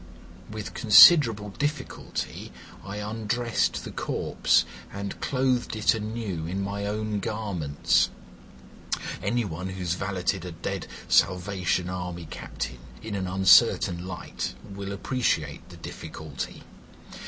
With considerable difficulty I undressed the corpse, and clothed it anew in my own garments. Any one who has valeted a dead Salvation Army captain in an uncertain light will appreciate the difficulty.